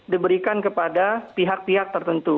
diberikan kepada pihak pihak tertentu